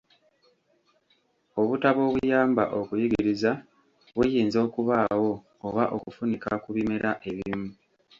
Obutabo obuyamba okuyigiriza buyinza okubaawo oba okufunika ku bimera ebimu.